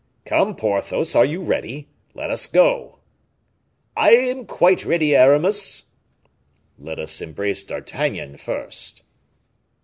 "Come, Porthos, are you ready? Let us go." "I am quite ready, Aramis." "Let us embrace D'Artagnan first."